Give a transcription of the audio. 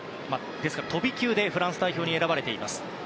ですから、飛び級でフランス代表に選ばれています。